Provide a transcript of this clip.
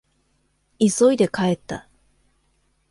急いで帰った。